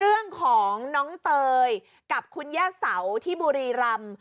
เรื่องของน้องเตยกับคุณย่าเสาที่บุรีรำ